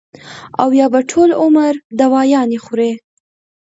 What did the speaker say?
او يا به ټول عمر دوايانې خوري -